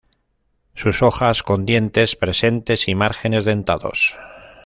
Sus hojas con dientes presentes y márgenes dentados.